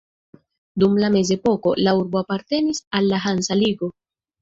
Dum la mezepoko, la urbo apartenis al la Hansa Ligo.